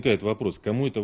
hanya ada pertanyaan